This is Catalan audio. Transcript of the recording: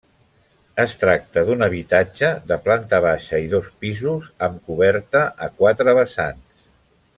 Es tracta d'un habitatge de planta baixa i dos pisos amb coberta a quatre vessants.